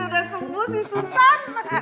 udah sembuh sih susan